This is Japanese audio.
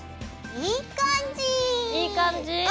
いい感じ！